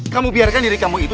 kamu biarkan diri kamu itu